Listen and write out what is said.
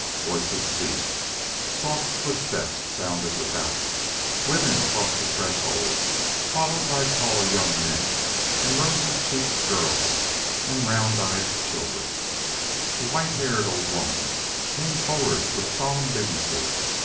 Voices ceased; soft footsteps sounded without; women crossed the threshold, followed by tall young men and rosy checked girls and round eyed children. A white haired old woman came forward with solemn dignity.